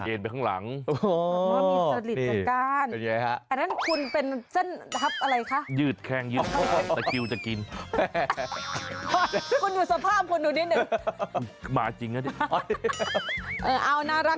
เออออหรือว่ามีเจริตเหมือนกัน